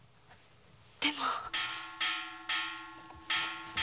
でも。